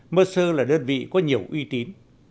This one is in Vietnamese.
mercer là đơn vị có nhiều uy tín